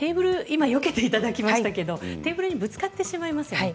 今、よけていただきましたけどテーブルにぶつかってしまいますよね。